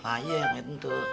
kayaknya yang kayak tentu